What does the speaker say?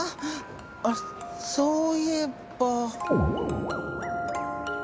あっそういえば。